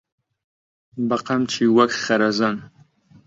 بەقەمچی وەک خەرەزەن